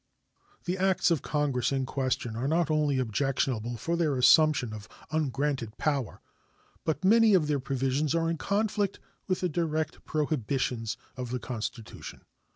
The acts of Congress in question are not only objectionable for their assumption of ungranted power, but many of their provisions are in conflict with the direct prohibitions of the Constitution.